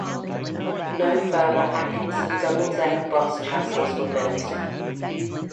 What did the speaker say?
No further Atkinson double-deck bus chassis were built.